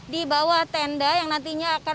di bawah tenda yang nantinya akan